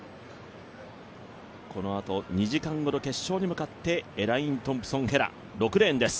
このあと２時間後の決勝に向かって、エライン・トンプソン・ヘラ、６レーンです。